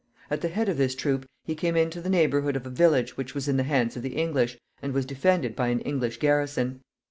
At the head of this troop he came into the neighborhood of a village which was in the hands of the English, and was defended by an English garrison.